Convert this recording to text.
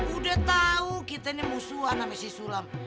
udah tau kita ini musuhan sama si sulam